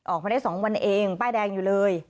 ออกมาได้๒วันเองป้ายแดงอยู่เลย